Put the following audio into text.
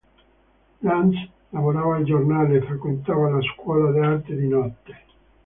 Lantz lavorava al giornale e frequentava la scuola d'arte di notte.